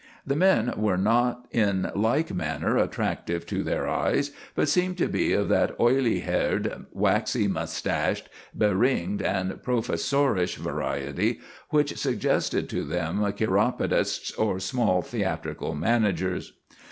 The men were not in like manner attractive to their eyes, but seemed to be of that oily haired, waxy mustached, beringed, and professorish variety which suggested to them chiropodists or small theatrical managers.